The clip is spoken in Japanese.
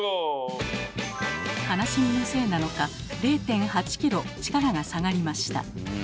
悲しみのせいなのか０．８ｋｇ力が下がりました。